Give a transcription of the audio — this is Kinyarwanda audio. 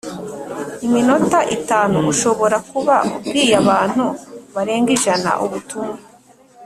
Iminota itanu ushobora kuba ubwiye abantu barenga ijana ubutumwa